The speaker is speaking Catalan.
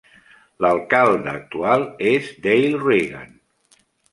L'alcalde actual és Dale Reagan.